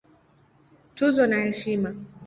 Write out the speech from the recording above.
Tuzo na Heshima